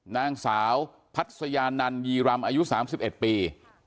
นางสาวพัศยานันยีรำอายุ๓๑ปี